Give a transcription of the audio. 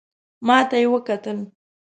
ماته یې وکتل .